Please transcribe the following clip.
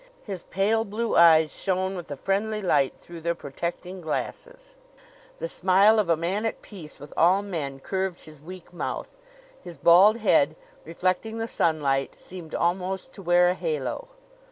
His pale blue eyes shone with a friendly light through their protecting glasses; the smile of a man at peace with all men curved his weak mouth; his bald head, reflecting the sunlight, seemed almost to wear a halo.